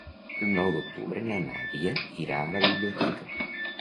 El nou d'octubre na Nàdia irà a la biblioteca.